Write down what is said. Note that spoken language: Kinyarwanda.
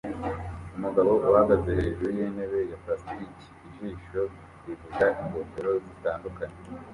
Umugabo uhagaze hejuru yintebe ya plastike ijisho rivuga ingofero zitandukanye